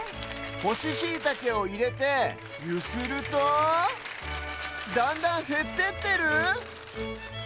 ほしシイタケをいれてゆするとだんだんへってってる？